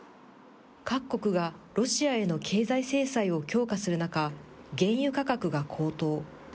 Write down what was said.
各国がロシアへの経済制裁を強化する中、原油価格が高騰。